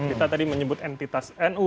kita tadi menyebut entitas nu